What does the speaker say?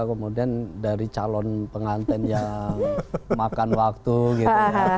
kemudian dari calon pengantin yang makan waktu gitu ya